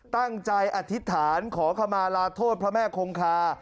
อธิษฐานขอขมาลาโทษพระแม่คงคา